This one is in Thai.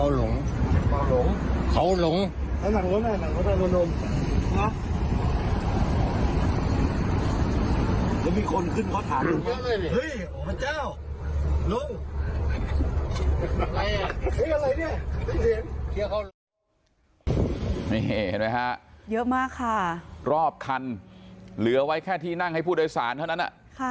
นี่เห็นไหมฮะเยอะมากค่ะรอบคันเหลือไว้แค่ที่นั่งให้ผู้โดยสารเท่านั้น